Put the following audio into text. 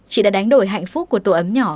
chị đã đánh đổi hạnh phúc của tổ ấm nhỏ